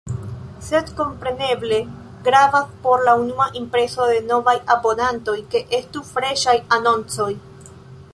Sed kompreneble gravas por la unua impreso de novaj abonantoj, ke estu freŝaj anoncoj.